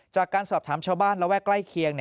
จากการสอบถามชาวบ้านระแวกใกล้เคียง